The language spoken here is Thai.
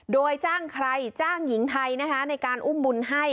โดยจ้างใครจ้างหญิงไทยนะคะในการอุ้มบุญให้